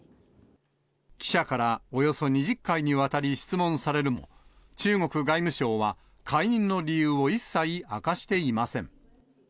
記者からおよそ２０回にわたり質問されるも、中国外務省は解任の理由を一切明かしていません。